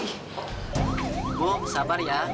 ibu sabar ya